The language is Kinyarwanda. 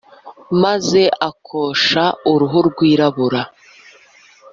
maze akosha uruhu rwirabura